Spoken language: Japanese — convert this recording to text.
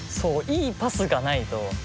いいパスがないと。